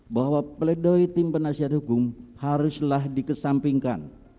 bahwa pledoi tim penasihat hukum haruslah dikesampingkan